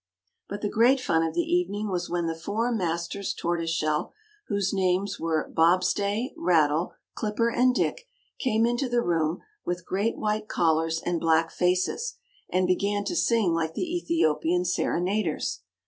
But the great fun of the evening was when the four Masters Tortoise Shell, whose names were Bobstay, Rattle, Clipper, and Dick, came into the room with great white collars and black faces, and began to sing like the Ethiopian Serenaders.